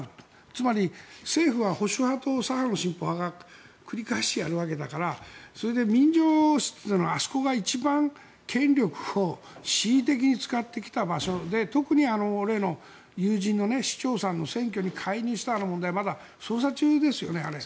つまり、政府は保守派と左派の進歩派が繰り返しやるわけだからそれで民情室が一番、権力を恣意的に使ってきた場所で特に、例の友人の市長さんの選挙に介入したあの問題はまだ捜査中ですよね。